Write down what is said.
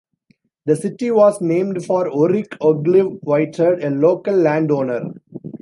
The city was named for Oric Ogilvie Whited, a local landowner.